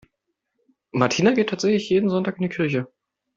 Martina geht tatsächlich jeden Sonntag in die Kirche.